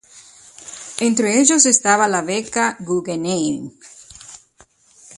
Entre ellos están la Beca Guggenheim.